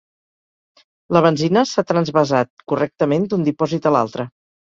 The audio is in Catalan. La benzina s'ha transvasat correctament d'un dipòsit a l'altre.